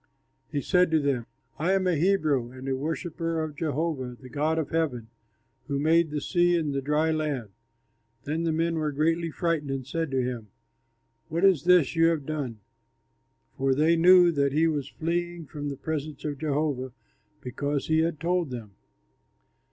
He said to them, "I am a Hebrew, and a worshipper of Jehovah, the God of heaven, who made the sea and the dry land." Then the men were greatly frightened and said to him, "What is this you have done?" For they knew that he was fleeing from the presence of Jehovah, because he had told them.